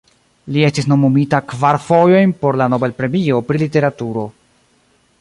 Li estis nomumita kvar fojojn por la Nobel-premio pri literaturo.